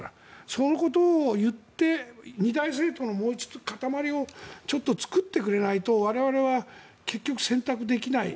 そのことを言って二大政党の塊をちょっと作ってくれないと我々は結局、選択できない。